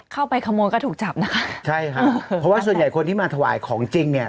เข้าไปขโมยก็ถูกจับนะคะใช่ค่ะเพราะว่าส่วนใหญ่คนที่มาถวายของจริงเนี่ย